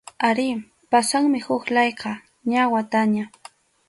Arí, pasanmi huk layqa, ña wataña.